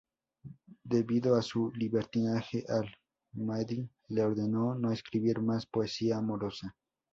Debido a su libertinaje, al-Mahdi le ordenó no escribir más poesía amorosa.